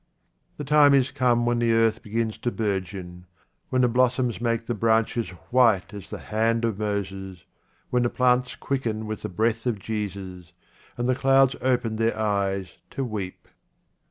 The time is come when the earth begins 2 QUATRAINS OF OMAR KHAYYAM to burgeon ; when the blossoms make the branches white as the hand of Moses ; when the plants quicken with the breath of Jesus, and the clouds open their eyes to weep.